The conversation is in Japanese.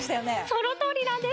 そのとおりなんです！